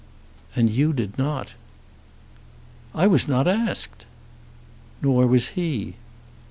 "And you did not." "I was not asked." "Nor was he."